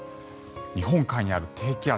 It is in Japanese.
日本海にある低気圧